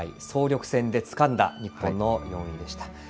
総力戦でつかんだ日本の４位でした。